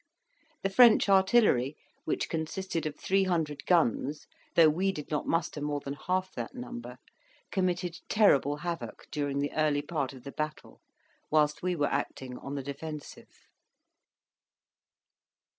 The French artillery which consisted of three hundred guns, though we did not muster more than half that number committed terrible havoc during the early part of the battle, whilst we were acting on the defensive.